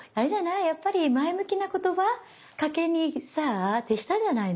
やっぱり前向きな言葉かけにさ徹したんじゃないの？